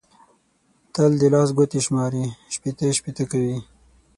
تل د لاس ګوتې شماري؛ شپېته شپېته کوي.